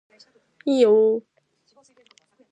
いいよー